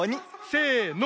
せの。